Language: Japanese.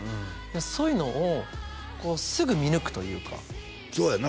そういうのをすぐ見抜くというかそうやな